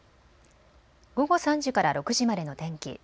午後３時から６時までの天気。